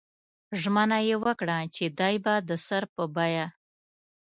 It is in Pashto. ژمنه یې وکړه چې دی به د سر په بیه.